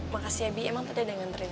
makasih ya bi emang tadi ada yang ngerin